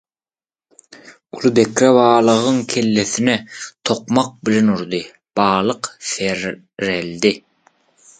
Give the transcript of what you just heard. Uly bekre balygynyň kellesine tokmak bilen urdy. Balyk serreldi